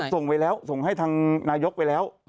เขาส่งไว้แล้วส่งให้ทางนายกออกมาแล้ว